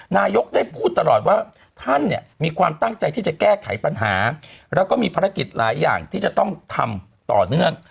นายกได้พูดตลอดว่าท่านเนี่ยมีความตั้งใจที่จะแก้ไขปัญหาแล้วก็มีภารกิจหลายอย่างที่จะต้องทำต่อเนื่อง